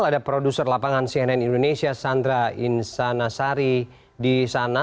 ada produser lapangan cnn indonesia sandra insanasari di sana